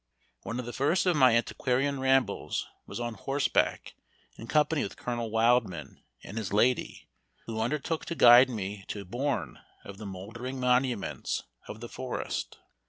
One of the first of my antiquarian rambles was on horseback, in company with Colonel Wildman and his lady, who undertook to guide me to Borne of the moldering monuments of the forest.